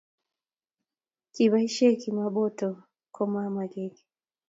Kiboishei kimaboto komamamagiiki